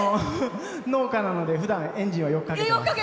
農家なので、ふだんエンジンはよくかけてます。